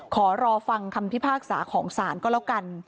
ขอรอฟังคำพิพากษาของศาลก็แล้วกัน